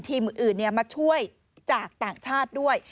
อื่นมาช่วยจากต่างชาติด้วย